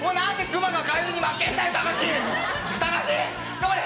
頑張れ！